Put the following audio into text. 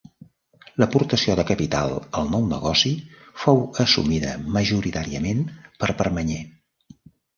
L'aportació de capital al nou negoci fou assumida majoritàriament per Permanyer.